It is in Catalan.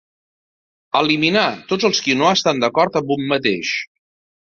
Eliminar tots els qui no estan d'acord amb un mateix